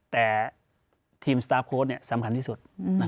แต่ทีมสตาร์ฟโค้ดสำคัญที่สุด